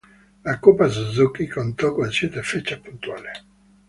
La Copa Suzuki contó con siete fechas puntuables.